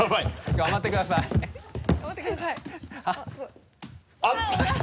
頑張ってください